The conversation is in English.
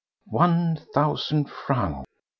One thousand francs!